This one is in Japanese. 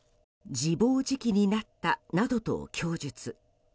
自暴自棄になったなどと供述。